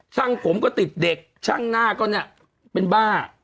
ผมก็ติดเด็กช่างหน้าก็เนี่ยเป็นบ้า